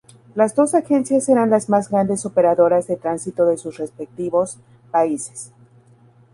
Las dos agencias eran las más grandes operadoras de tránsito de sus respectivos países.